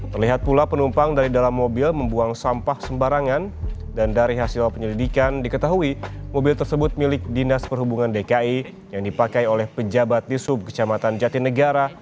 terlihat pula penumpang dari dalam mobil membuang sampah sembarangan dan dari hasil penyelidikan diketahui mobil tersebut milik dinas perhubungan dki yang dipakai oleh pejabat di sub kecamatan jatinegara